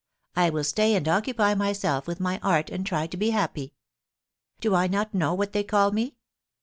I will stay and occupy myself with my art and try to be happy. Do I not know what they call me